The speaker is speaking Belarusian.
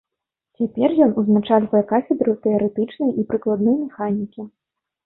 Цяпер ён узначальвае кафедру тэарэтычнай і прыкладной механікі.